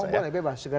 boleh boleh boleh